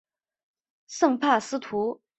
圣帕斯图。